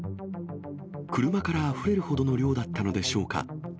車からあふれるほどの量だったのでしょうか。